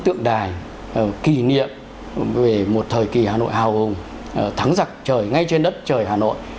tượng đài kỷ niệm về một thời kỳ hà nội hào hùng thắng giặc trời ngay trên đất trời hà nội